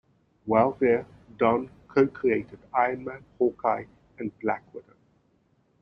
While there Don co-created Iron Man, Hawkeye, and Black Widow.